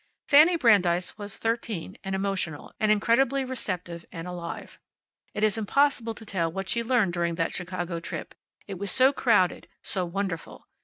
Fanny Brandeis was thirteen, and emotional, and incredibly receptive and alive. It is impossible to tell what she learned during that Chicago trip, it was so crowded, so wonderful.